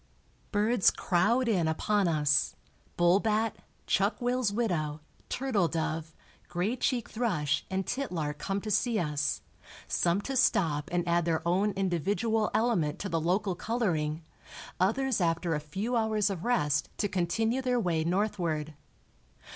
Birds crowd in upon us, bull bat, chuck wills widow, turtle dove, gray cheeked thrush and titlark come to see us, some to stop and add their own individual element to the local coloring, others after a few hours of rest to continue their way northward.